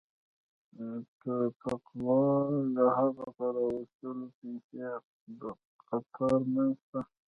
ټوپکوال د هغه په را وستلو پسې د قطار منځ ته.